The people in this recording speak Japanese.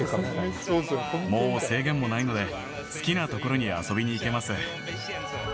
もう制限もないので、好きな所に遊びにいけます。